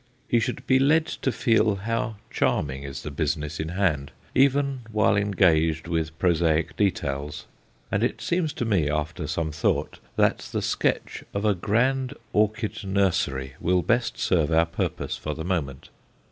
He should be led to feel how charming is the business in hand even while engaged with prosaic details; and it seems to me, after some thought, that the sketch of a grand orchid nursery will best serve our purpose for the moment.